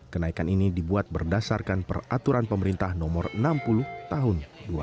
kenaikan ini dibuat berdasarkan peraturan pemerintah nomor enam puluh tahun dua ribu dua